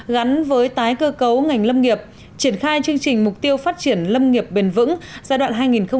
gắn với tái cơ cấu ngành lâm nghiệp triển khai chương trình mục tiêu phát triển lâm nghiệp bền vững giai đoạn hai nghìn hai mươi một hai nghìn hai mươi năm